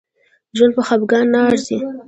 ژوند په خپګان نه ارزي